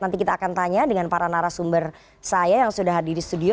nanti kita akan tanya dengan para narasumber saya yang sudah hadir di studio